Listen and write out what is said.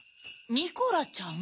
ニコラちゃん！